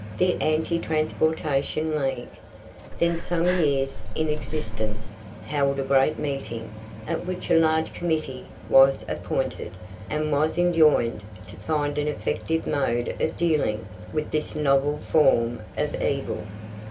The Anti Transportation League, then some years in existence, held a great meeting, at which a large committee was appointed, and was enjoined to find an effective mode of dealing with this novel form of evil.